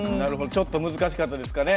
ちょっと難しかったですかね。